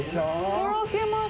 とろけます。